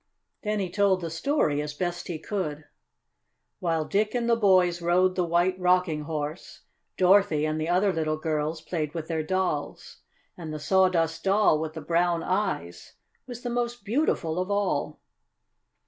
Then he told the story, as best he could. While Dick and the boys rode the White Rocking Horse Dorothy and the other little girls played with their dolls. And the Sawdust Doll with the brown eyes was the most beautiful of all.